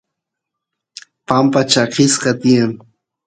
pampa chakisqa tiyan